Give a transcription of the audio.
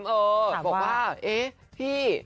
บอกว่าเอ๊พี่